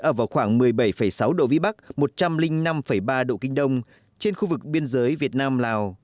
ở vào khoảng một mươi bảy sáu độ vĩ bắc một trăm linh năm ba độ kinh đông trên khu vực biên giới việt nam lào